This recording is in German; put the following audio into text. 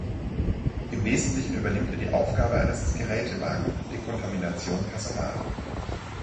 Im Wesentlichen übernimmt er die Aufgaben eines Gerätewagen Dekontamination Personal.